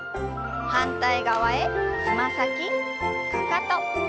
反対側へつま先かかと。